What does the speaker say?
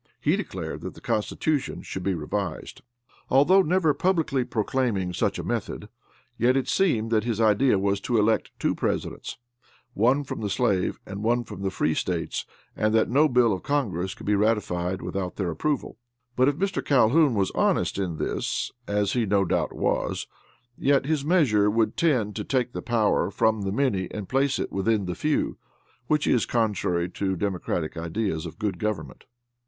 He declared that the Constitution should be revised. Although never publicly proclaiming such a method, yet it seemed that his idea was to elect two Presidents, one from the slave and one from the free States, and that no bill of Congress could be ratified without their approval. But if Mr. Calhoun was honest in this, as he no doubt was, yet his measure would tend to take the power from the many and place it within the few, which is contrary to democratic ideas of good government.